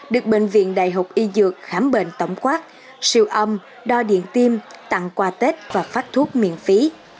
được bệnh viện đại học y dược khám bệnh tổng quát siêu âm đo điện tim tặng quà tết và phát thuốc miễn phí